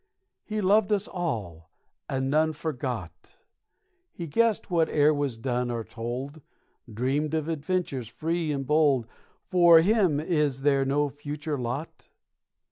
He loved us all, and none forgot, He guessed whate'er was done or told, Dreamed of adventures free and bold For him is there no future lot?